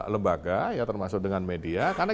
lembaga ya termasuk dengan media karena